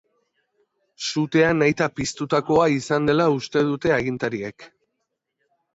Sutea nahita piztutakoa izan dela uste dute agintariek.